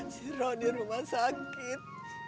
si robi rumah sakit